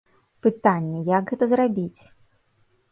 Пытанне, як гэта зрабіць.